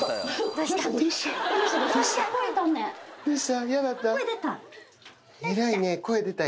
どうした？